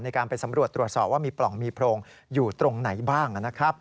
ในการไปสำรวจตรวจสอบว่ามีปล่องมีโพรงอยู่ตรงไหนบ้างนะครับ